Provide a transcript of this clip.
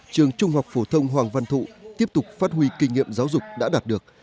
trường trung học phổ thông hoàng văn thụ tiếp tục phát huy kinh nghiệm giáo dục đã đạt được